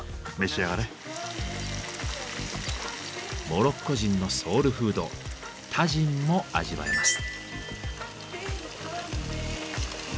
モロッコ人のソウルフードタジンも味わえます。